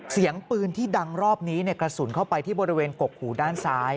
เสียงปืนที่ดังรอบนี้กระสุนเข้าไปที่บริเวณกกหูด้านซ้าย